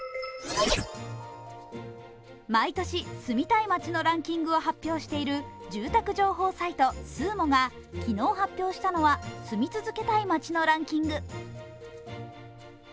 毎年、住みたい街のランキングを発表している住宅情報サイトＳＵＵＭＯが昨日発表したのは住み続けたい街のランキング。